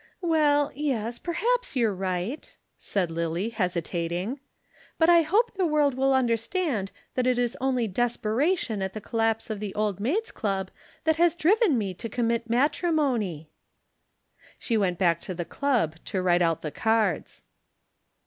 "Well, yes, perhaps you're right," said Lillie hesitating. "But I hope the world will understand that it is only desperation at the collapse of the Old Maids' Club that has driven me to commit matrimony." She went back to the Club to write out the cards.